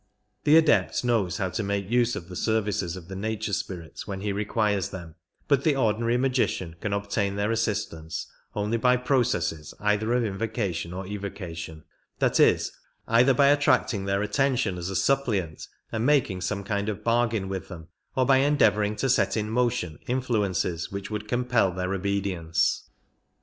The Adept knows how to make use of the services of the nature spirits when he requires them, but the ordinary magician can obtain their assistance only by processes either of in vocation or evocation — that is, either by attracting their attention as a suppliant and making some kind of bargain with them, or by endeavouring to set in motion influences which would compel their obedience.